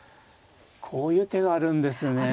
こういう手があるんですねいや。